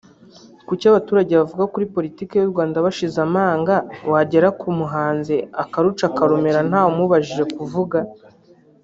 Kuki abaturage bavuga kuri Politiki y’u Rwanda bashize amanga wagera ku muhanzi akaruca akarumira nta wamubujije kuvuga